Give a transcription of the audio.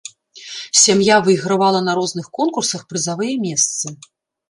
Сям'я выйгравала на розных конкурсах прызавыя месцы.